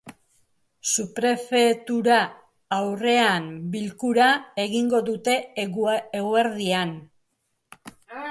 Suprefetura aurrean bilkura egingo dute eguerdian.